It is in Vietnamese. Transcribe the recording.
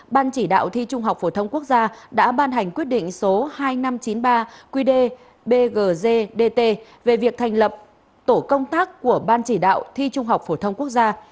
ban chỉ đạo thi trung học phổ thông quốc gia đã ban hành quyết định số hai nghìn năm trăm chín mươi ba qd bgg dt về việc thành lập tổ công tác của ban chỉ đạo thi trung học phổ thông quốc gia